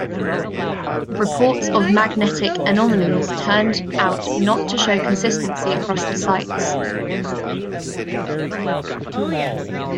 Reports of magnetic anomalies turned out not to show consistency across the sites.